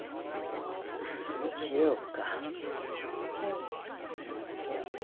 日曜かうんいや